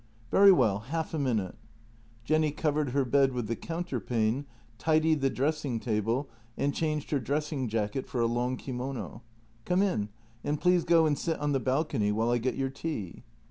" Very well, half a minute." Jenny covered her bed with the counterpane, tidied the dressing table, and changed her dressing jacket for a long kimono. " Come in, and please go and sit on the balcony while I get your tea."